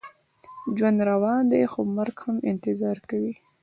ژوند روان دی، خو مرګ هم انتظار کوي.